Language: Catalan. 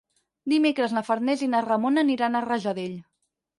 Dimecres na Farners i na Ramona aniran a Rajadell.